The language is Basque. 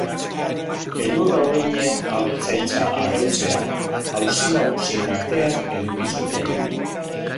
Elur-oreinen abeltzaintza arautzea auzi nagusien artean eduki zuten.